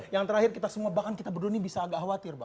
yang terakhir kita semua bahkan kita berdua ini bisa agak khawatir